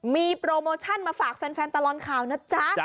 มีโปรโมชั่นมาฝากแฟนตลอดข่าวนะจ๊ะ